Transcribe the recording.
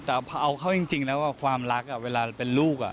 แต่พอเอาเข้าจริงแล้วความรักเวลาเป็นลูก